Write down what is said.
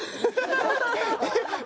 えっ？